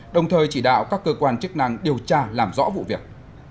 đồng thời chỉ đạo các cơ quan chức năng điều tra làm rõ vụ việc